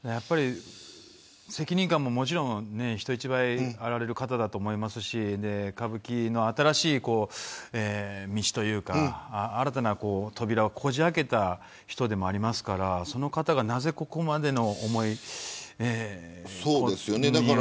責任感も人一倍あられる方だと思いますし歌舞伎の新しい道というか新たな扉をこじ開けた人でもありますからその方が、なぜここまでの。